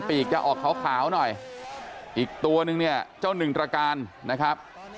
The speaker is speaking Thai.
ปีกจะออกขาวหน่อยอีกตัวนึงเนี่ยเจ้าหนึ่งตระการนะครับ